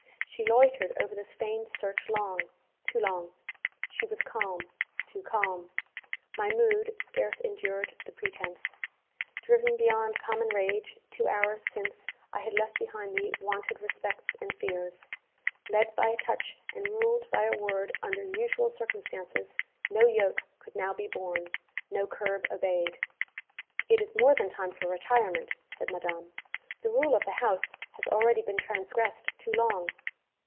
She loitered over this feigned search long, too long. She was calm, too calm. My mood scarce endured the pretence. Driven beyond common rage, two hours since I had left behind me wonted respects and fears. Led by a touch and ruled by a word under usual circumstances, no yoke could now be borne, no curb obeyed. 'It is more than time for retirement,' said madame. 'The rule of the house has already been transgressed too long.'